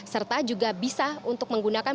serta juga bisa untuk menggunakan